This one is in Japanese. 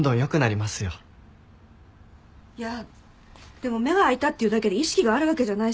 でも目が開いたっていうだけで意識があるわけじゃないし。